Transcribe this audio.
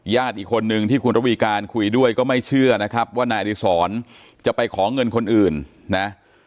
อีกคนนึงที่คุณระวีการคุยด้วยก็ไม่เชื่อนะครับว่านายอดีศรจะไปขอเงินคนอื่นนะ